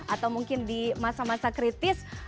atau mungkin di masa masa kritis